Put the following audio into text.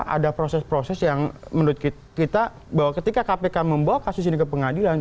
ada proses proses yang menurut kita bahwa ketika kpk membawa kasus ini ke pengadilan